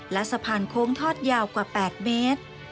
และสะพานโค้งทอดยาวกว่า๘เมตร